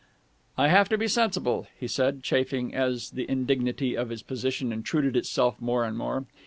"I have to be sensible," he said, chafing as the indignity of his position intruded itself more and more.